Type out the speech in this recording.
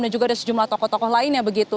dan juga ada sejumlah tokoh tokoh lain yang begitu